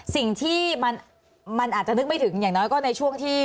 สิ่งที่มันอาจจะนึกไม่ถึงอย่างน้อยก็ในช่วงที่